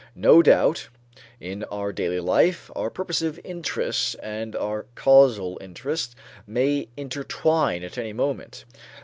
No doubt in our daily life, our purposive interest and our causal interest may intertwine at any moment.